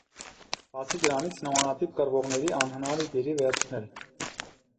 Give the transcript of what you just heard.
Բացի դրանից նմանատիպ կռվողների անհնար է գերի վերցնել։